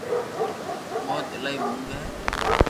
مونٽ ايلائي موٽي ھي